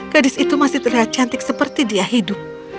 gadis itu masih terlihat cantik seperti dia hidup